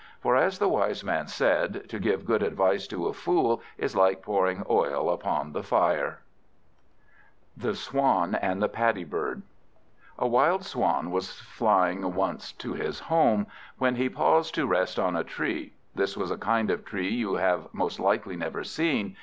For, as the wise man said, "To give good advice to a fool is like pouring oil upon the fire." The Swan and the Paddy Bird A WILD Swan was flying once to his home, when he paused to rest on a tree. This was a kind of tree you have most likely never seen.